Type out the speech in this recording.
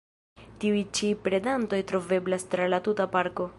Tiuj ĉi predantoj troveblas tra la tuta parko.